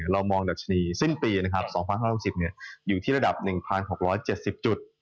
เรามองดัชนีสิ้นปี๒๕๖๐อยู่ที่ระดับ๑๖๗๐จุด